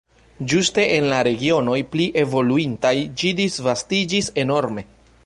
Ĝuste en la regionoj pli evoluintaj ĝi disvastiĝis enorme.